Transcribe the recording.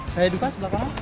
saya hidupkan sebelah kanan